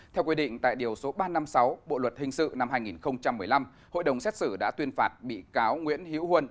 theo quy định tại điều số ba trăm năm mươi sáu bộ luật hình sự năm hai nghìn một mươi năm hội đồng xét xử đã tuyên phạt bị cáo nguyễn hiễu huân